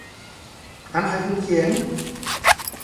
ร้านขายเครื่องเขียน